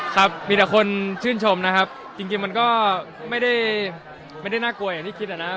ครับมีแต่คนชื่นชมนะครับจริงมันก็ไม่ได้น่ากลัวอย่างที่คิดนะครับ